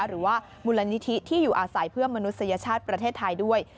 หรือว่ามูลนิธิที่อยู่อาศัยเพื่อมนุษยชาติประเทศไทยด้วย